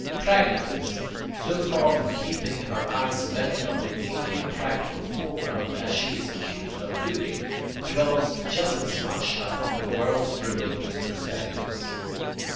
Pragmatism, so far from keeping her eyes bent on the immediate practical foreground, as she is accused of doing, dwells just as much upon the world's remotest perspectives.